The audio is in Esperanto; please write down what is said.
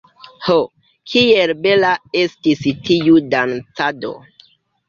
Ho, kiel bela estis tiu dancado!